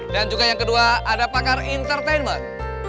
dan juga yang kedua ada pakar entertainment